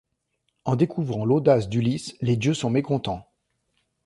En découvrant l'audace d'Ulysse, les dieux sont mécontents.